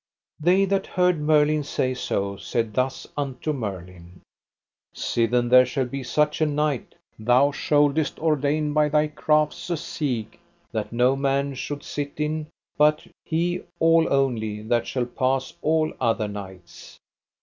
They that heard Merlin say so said thus unto Merlin: Sithen there shall be such a knight, thou shouldest ordain by thy crafts a siege, that no man should sit in it but he all only that shall pass all other knights.